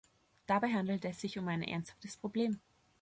Dabei handelt es sich um ein ernsthaftes Problem.